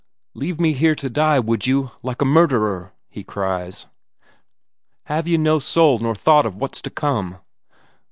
"Leave me here to die, would you, like a murderer?" he cries. "Have ye no soul nor thought of what's to come?